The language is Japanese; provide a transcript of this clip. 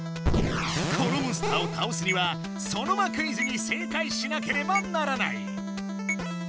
このモンスターをたおすにはソノマクイズに正解しなければならない。